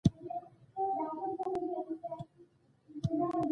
ماسټر علي محمد پۀ يو مرثيه کښې داسې ژړلے دے